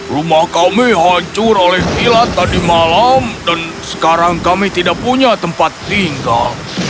rumah kami hancur oleh kilat tadi malam dan sekarang kami tidak punya tempat tinggal